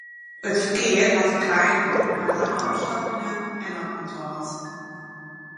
It ferkear hat te krijen hân mei lange opstoppingen en opûnthâld.